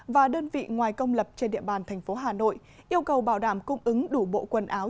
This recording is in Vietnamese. và đơn vị ngoài công lập trên địa bàn thành phố hà nội yêu cầu bảo đảm cung ứng đủ bộ quần áo